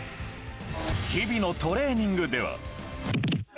日々のトレーニングでは。